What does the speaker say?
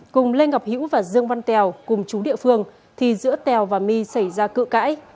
cùng lê ngọc hiễu và dương văn tèo cùng chú địa phương thì giữa tèo và my xảy ra cự cãi